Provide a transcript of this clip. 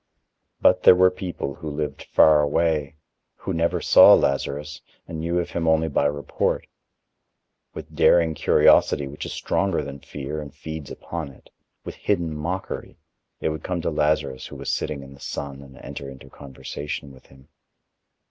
But there were people who lived far away, who never saw Lazarus and knew of him only by report. With daring curiosity, which is stronger than fear and feeds upon it, with hidden mockery, they would come to Lazarus who was sitting in the sun and enter into conversation with him.